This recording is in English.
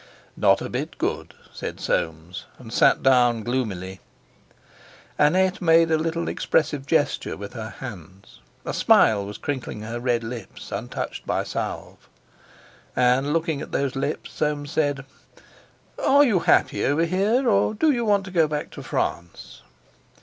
"Not a bit good," said Soames, and sat down gloomily. Annette made a little expressive gesture with her hands; a smile was crinkling her red lips untouched by salve. And, looking at those lips, Soames said: "Are you happy over here, or do you want to go back to France?"